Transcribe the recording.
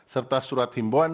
serta surat imbuan